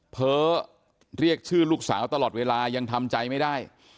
เรียกชื่อลูกสาวตลอดเวลายังทำใจไม่ได้